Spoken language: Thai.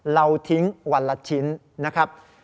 เราทิ้งวันละชิ้นนะครับ